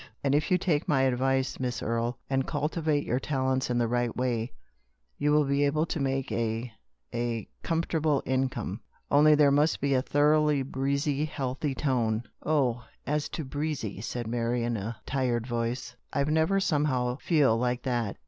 And if you take my advice, Miss Erie, and cultivate your talents in the right way, you will be able to make a — a — comfortable income. Only there must be a thoroughly breezy, healthy tone." "" Oh, as to breezy," said Mary, in a tired voice, "I never somehow feel like that.